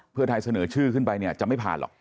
เพื่อไทยเสนอชื่อขึ้นไปเนี่ยจะไม่ผ่านหรอก